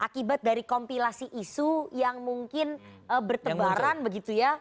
akibat dari kompilasi isu yang mungkin bertebaran begitu ya